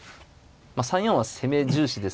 まあ３四は攻め重視ですけど。